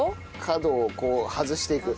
角をこう外していく。